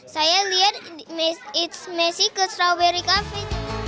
saya lihat it s messy ke strawberry cafe